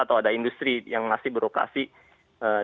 atau ada industri yang masih berokasi di jakarta dan juga di jepang